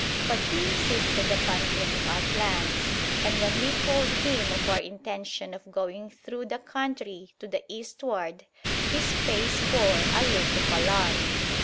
But he insisted upon hearing our plans, and when we told him of our intention of going through the country to the eastward his face bore a look of alarm.